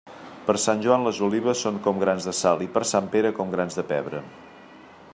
Per Sant Joan les olives són com grans de sal; i, per Sant Pere, com grans de pebre.